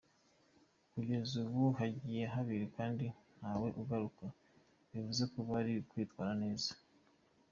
Kugeza ubu hagiye babiri kandi ntawe uragaruka bivuze ko bari kwitwara neza.